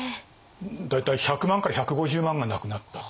大体１００万から１５０万が亡くなった。